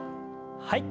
はい。